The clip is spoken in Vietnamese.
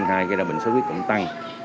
gây ra bệnh sốt khuyết cũng tăng